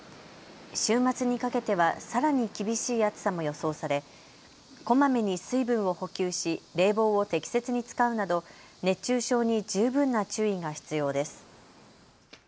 週末にかけてはさらに厳しい暑さも予想されこまめに水分を補給し冷房を適切に使うなど熱中症に十分な注意が必要です。